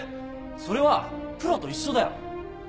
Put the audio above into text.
それはプロと一緒だよ！